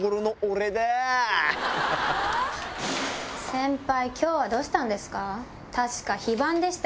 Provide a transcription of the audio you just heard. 先輩今日はどうしたんですか？